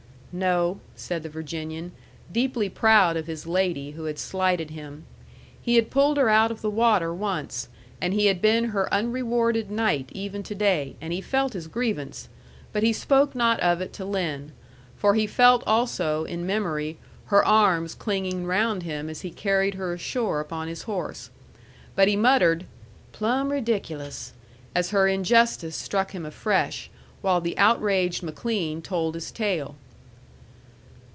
"No," said the Virginian, deeply proud of his lady who had slighted him. He had pulled her out of the water once, and he had been her unrewarded knight even to day, and he felt his grievance; but he spoke not of it to Lin; for he felt also, in memory, her arms clinging round him as he carried her ashore upon his horse. But he muttered, "Plumb ridiculous!" as her injustice struck him afresh, while the outraged McLean told his tale.